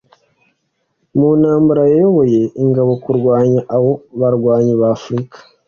Mu ntambara yayoboye ingabo kurwanya abo barwanyi ba Afrika